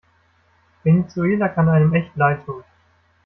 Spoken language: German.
Venezuela kann einem echt leidtun.